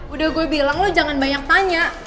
udah gue bilang lo jangan banyak tanya